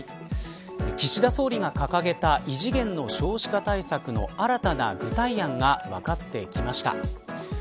岸田総理が掲げた異次元の少子化対策の新たな具体案が分かってきました。